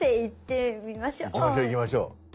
いきましょういきましょう。